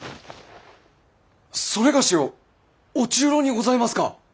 それがしを御中臈にございますか！？